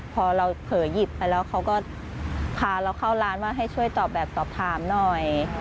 พอเราเผลอหยิบไปแล้วเขาก็พาเราเข้าร้านว่าให้ช่วยตอบแบบตอบถามหน่อย